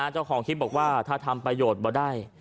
เจ้าของคลิปบอกว่าถ้าทำประโยชน์บ่ได้